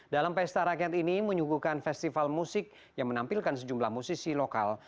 dalam pesta rakyat ini menyuguhkan festival musik yang menampilkan sejumlah musisi lokal